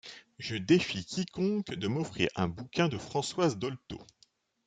Je défie quiconque de m'offrir un bouquin de Françoise Dolto.